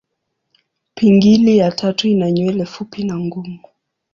Pingili ya tatu ina nywele fupi na ngumu.